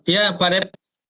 ya pak dep